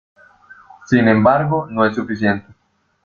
Sin embargo no es suficiente.